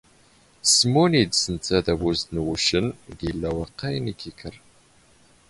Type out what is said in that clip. ⵜⵙⵎⵓⵏ ⵉⴷⵙⵏⵜ ⵜⴰⴷⴰⴱⵓⵣⵜ ⵏ ⵡⵓⵛⵛⵏ ⴳ ⵉⵍⵍⴰ ⵡⴰⵇⵇⴰⵢ ⵏ ⵉⴽⵉⴽⵔ.